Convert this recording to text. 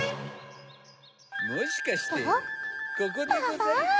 もしかしてここでござるかぁ？